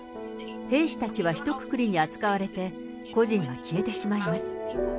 兵士たちはひとくくりに扱われて、個人は消えてしまいます。